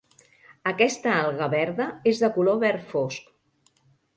Aquesta alga verda és de color verd fosc.